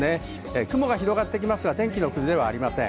雲が広がってきますが、天気の崩れはありません。